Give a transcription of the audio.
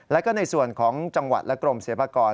แล้วก็ในส่วนของจังหวัดและกรมศิลปากร